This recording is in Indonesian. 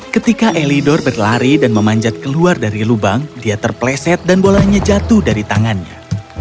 ketika elidor berlari dan memanjat keluar dari lubang dia terpleset dan bolanya jatuh dari tangannya